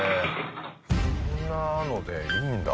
こんなのでいいんだ。